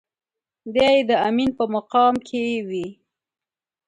دی يې د امين په مقام کې وي.